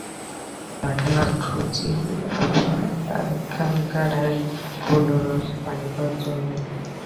তাঁহাকে না খুঁড়িয়া এখানকার এক গণ্ডূষও রস পাইবার জো নাই।